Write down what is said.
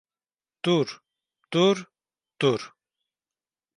Dur, dur, dur.